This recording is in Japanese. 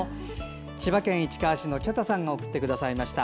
千葉県市川市のチャタさんが送ってくださいました。